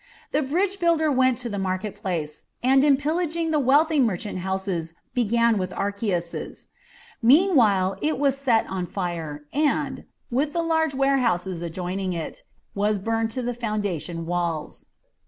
The bridge builder went to the market place, and in pillaging the wealthy merchants' houses began with Archias's. Meanwhile it was set on fire and, with the large warehouses adjoining it, was burned to the foundation walls.